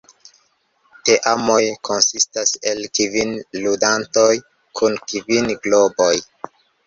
Teamoj konsistas el kvin ludantoj kun kvin globoj.